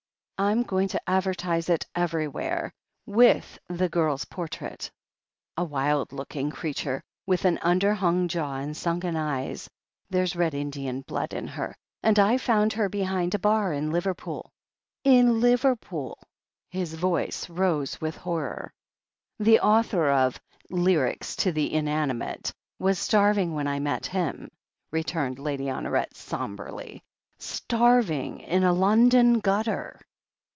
I'm going to advertise it ever)rwhere — with the girl's por trait. A wild looking creature, with an imderhimg jaw and sunken eyes — ^there's Red Indian blood in her. And I found her behind a bar in Liverpool — ^in Liver pooir His voice rose with horror. "The author of 'Lyrics to the Inanimate' was starv ing when I met him," returned Lady Honoret som brely — "starving in a London gutter."